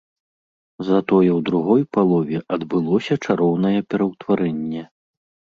Затое ў другой палове адбылося чароўнае пераўтварэнне.